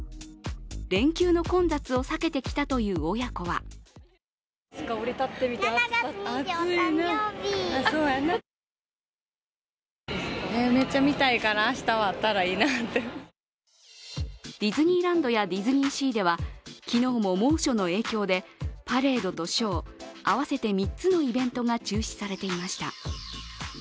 連休の混雑を避けて来たという親子はディズニーランドやディズニーシーでは昨日も猛暑の影響でパレードとショー合わせて３つのイベントが中止されていました。